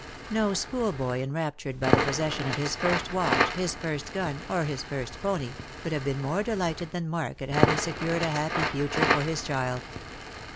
No schoolboy enraptured by the possession of his first watch, his first gun, or his first pony, could have been more delighted than Mark at having secured a happy future for his child.